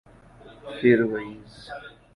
فیروئیز